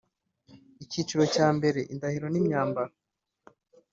Icyiciro cya mbere Indahiro n imyambaro